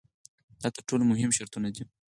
دا تر ټولو مهم شرطونه دي.